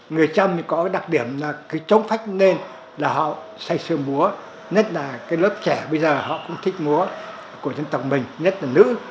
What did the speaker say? người trăm có đặc điểm là trống phách nên là họ xây xưa múa nhất là lớp trẻ bây giờ họ cũng thích múa của dân tộc mình nhất là nữ